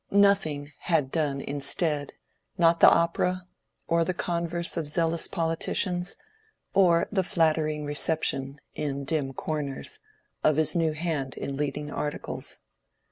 Nothing had done instead—not the opera, or the converse of zealous politicians, or the flattering reception (in dim corners) of his new hand in leading articles.